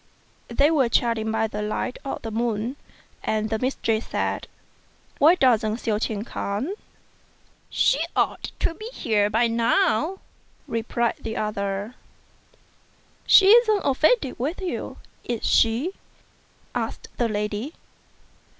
They were chatting by the light of the moon; and the mistress said, "Why doesn't Hsiao ch'ien come?" "She ought to be here by now," replied the other. " She isn't offended with you; is she?" asked the lady.